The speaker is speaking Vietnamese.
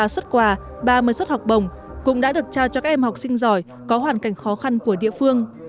hai mươi ba xuất quà ba mươi xuất học bồng cũng đã được trao cho các em học sinh giỏi có hoàn cảnh khó khăn của địa phương